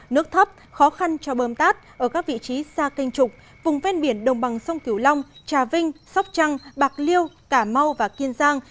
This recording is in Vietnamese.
nước thấp khó khăn cho bơm tát ở các vị trí xa kênh trục vùng ven biển đồng bằng sông cửu long trà vinh sóc trăng bạc liêu cả mau và kiên giang